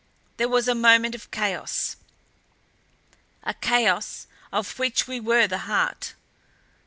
There was a moment of chaos a chaos of which we were the heart.